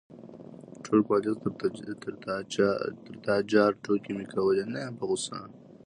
_ټول پالېز تر تا جار، ټوکې مې کولې، نه يم په غوسه.